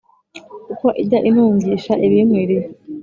Kuko ijya intungisha ibinkwiriye